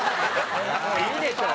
もういいでしょ！